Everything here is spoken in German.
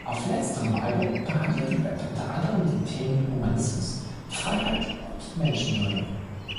Auf letzterem Album behandelt die Band unter anderen die Themen Humanismus, Freiheit und Menschenwürde.